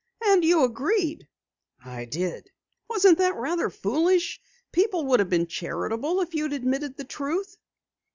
"And you agreed?" "I did." "Wasn't that rather foolish? People would have been charitable if you had admitted the truth."